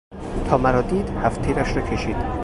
تا مرا دید هفت تیرش را کشید.